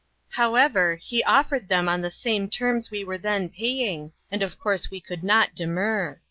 However, he offered them on the same LOST FRIENDS. 243 terms we were then paying, and of course we could not demur.